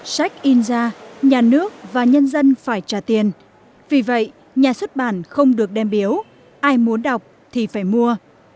sách in ra nhà nước và nhân dân phải trả tiền vì vậy nhà xuất bản không được đem biếu ai muốn đọc thì phải mua